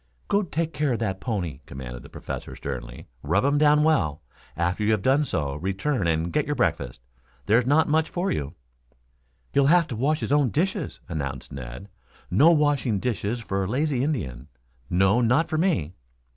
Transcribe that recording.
"Go take care of that pony," commanded the Professor sternly. "Rub him down well. After you have done so, return and get your breakfast. There's not much for you." "He'll have to wash his own dishes," announced Ned. "No washing dishes for a lazy Indian. No, not for me."